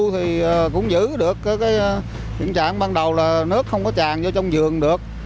thì cũng giữ được cái trạng ban đầu là nước không có tràn vô trong giường được